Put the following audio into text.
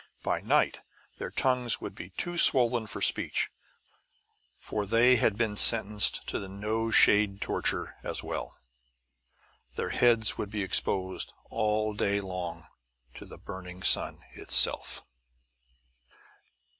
By night their tongues would be too swollen for speech. For they had been sentenced to the No Shade torture, as well; their heads would be exposed all day long to the burning sun itself.